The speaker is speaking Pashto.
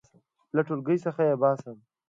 • له ټولګي څخه یې باسم.